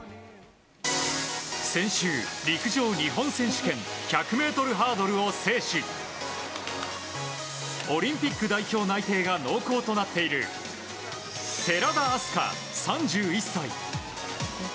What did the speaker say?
先週、陸上日本選手権１００ｍハードルを制しオリンピック代表内定が濃厚となっている寺田明日香、３１歳。